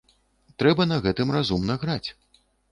Трэба на гэтым разумна граць.